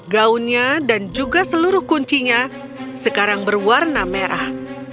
gaunnya dan juga seluruh kuncinya sekarang berwarna merah